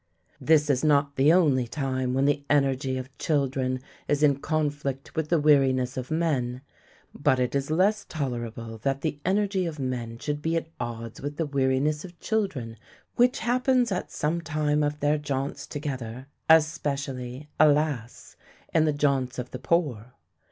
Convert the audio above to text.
This is not the only time when the energy of children is in conflict with the weariness of men. But it is less tolerable that the energy of men should be at odds with the weariness of children, which happens at some time of their jaunts together, especially, alas! in the jaunts of the poor.